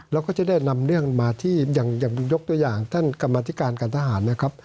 เราก็จะได้นำเรื่องมาที่อย่างยกตัวอย่างท่านกรรมธิการการทหารนะครับ